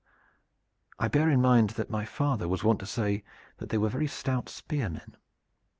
"I bear in mind that my father was wont to say that they were very stout spearmen."